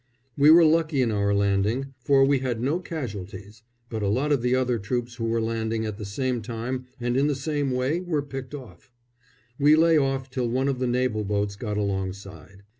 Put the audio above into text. We were lucky in our landing, for we had no casualties; but a lot of the other troops who were landing at the same time and in the same way were picked off. We lay off till one of the naval boats got alongside.